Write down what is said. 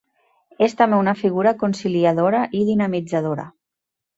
És també una figura conciliadora i dinamitzadora.